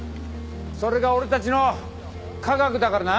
それが俺たちの科学だからな！